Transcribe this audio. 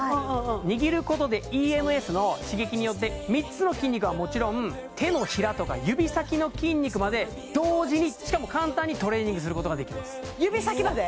握ることでＥＭＳの刺激によって３つの筋肉はもちろん手のひらとか指先の筋肉まで同時にしかも簡単にトレーニングすることができます指先まで？